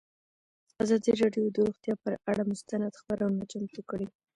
ازادي راډیو د روغتیا پر اړه مستند خپرونه چمتو کړې.